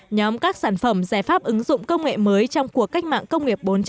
nhóm các sản phẩm giải pháp ứng dụng công nghệ mới trong cuộc cách mạng công nghiệp bốn